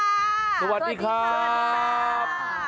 สวัสดีครับ